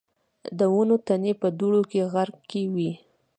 د ونو تنې په دوړو کې غرقي وې.